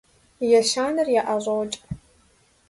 Ещанэр яӀэщӀокӀ.